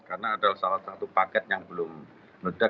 karena ada salah satu paket yang belum meledak